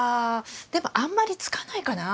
でもあんまりつかないかな。